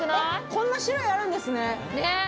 こんな種類あるんですね。